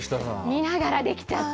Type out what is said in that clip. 見ながら出来ちゃった。